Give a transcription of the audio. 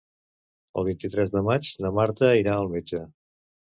El vint-i-tres de maig na Maria irà al metge.